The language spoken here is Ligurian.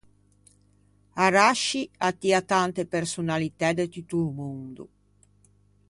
Arasci a tia tante personalitæ de tutto o mondo.